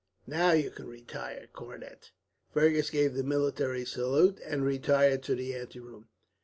"Now you can retire, cornet." Fergus gave the military salute, and retired to the anteroom.